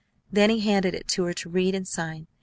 Then he handed it to her to read and sign.